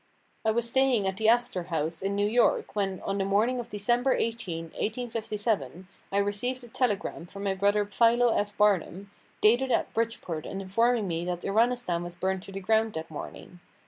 I was staying at the Astor House, in New York, when, on the morning of December 18, 1857, I received a telegram from my brother Philo F. Barnum, dated at Bridgeport and informing me that Iranistan was burned to the ground that morning.